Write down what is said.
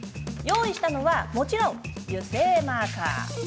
用意したのはもちろん油性マーカー。